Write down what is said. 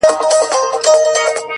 نن به د ورځې ښکلومه د سپرلي لاسونه!!